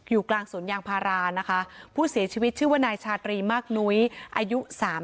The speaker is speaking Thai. กลางสวนยางพารานะคะผู้เสียชีวิตชื่อว่านายชาตรีมากนุ้ยอายุ๓๐